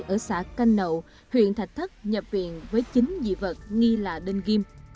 ở xã canh nậu huyện thạch thất nhập viện với chính dị vật nghi là đơn ghim